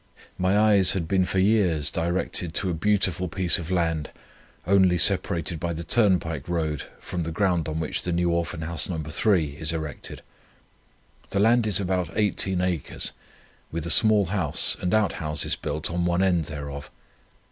"My eyes had been for years directed to a beautiful piece of land, only separated by the turnpike road from the ground on which the New Orphan House No. 3 is erected. The land is about 18 acres, with a small house and outhouses built on one end thereof.